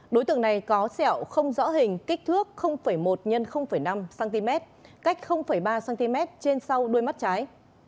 đối tượng này có sẹo không rõ hình kích thước một x năm cm cách ba cm trên sau đuôi mắt trái